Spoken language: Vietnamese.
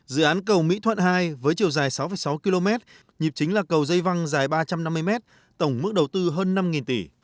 dự án cầu mỹ thuận hai với chiều dài sáu sáu km nhịp chính là cầu dây văng dài ba trăm năm mươi m tổng mức đầu tư hơn năm tỷ